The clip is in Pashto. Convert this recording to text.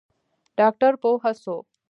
ډاکتر پوه سو.